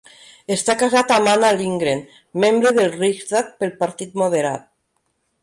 Està casat amb Anna Lindgren, membre del Riksdag pel partit moderat.